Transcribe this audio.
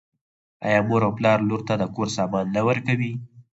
آیا مور او پلار لور ته د کور سامان نه ورکوي؟